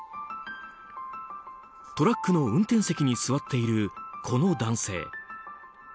トラックの運転席に座っているこの男性。